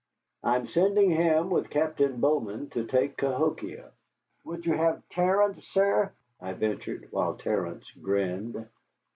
I am sending him with Captain Bowman to take Cahokia." "Would you have Terence, sir?" I ventured, while Terence grinned.